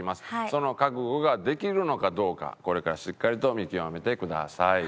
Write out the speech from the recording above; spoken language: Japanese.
その覚悟ができるのかどうかこれからしっかりと見極めてください。